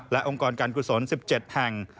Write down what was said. และองค์กรการกุศล๑๗แห่ง